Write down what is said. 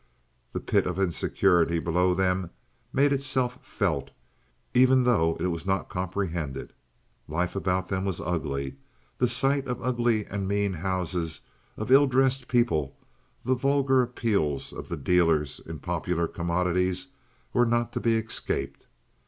The pit of insecurity below them made itself felt, even though it was not comprehended. Life about them was ugly; the sight of ugly and mean houses, of ill dressed people, the vulgar appeals of the dealers in popular commodities, were not to be escaped.